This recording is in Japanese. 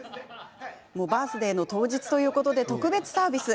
バースデー当日ということで特別サービス。